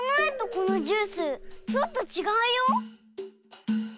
このジュースちょっとちがうよ。